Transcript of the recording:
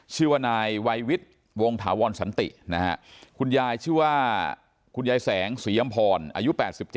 ชื่อว่านายวัยวิทย์วงถาวรสันตินะฮะคุณยายชื่อว่าคุณยายแสงสียำพรอายุ๘๗